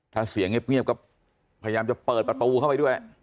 ถ้าเสียงเงียบก็พยายามจะเปิดประตูเข้าไปด้วย